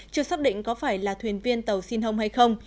chưa xác định có phải là thuyền viên tàu xin hồng hay không